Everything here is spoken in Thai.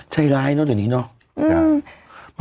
ใจร้ายเนอะเดี๋ยวนี้เนาะ